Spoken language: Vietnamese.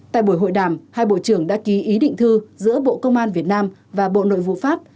tại buổi hội đàm hai bộ trưởng đã ký ý định thư giữa bộ công an việt nam và bộ nội vụ pháp